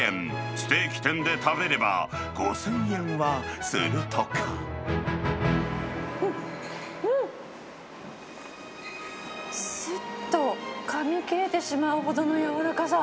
ステーキ店で食べれば、５０００うん、うん、すっとかみ切れてしまうほどの柔らかさ。